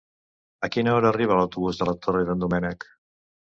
A quina hora arriba l'autobús de la Torre d'en Doménec?